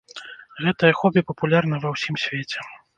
Гэтае хобі папулярна ва ўсім свеце.